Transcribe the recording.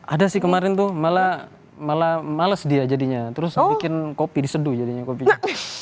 ada sih kemarin tuh malah males dia jadinya terus bikin kopi diseduh jadinya kopinya